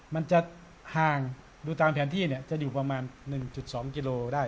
มันจะห่างดูตามแผนที่เนี่ยจะอยู่ประมาณ๑๒กิโลได้